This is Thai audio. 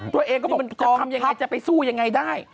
ตัวเองก็บอกจะทำยังไงจะไปสู้ยังไงได้